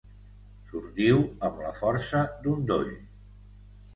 Sortiu amb la força d'un doll.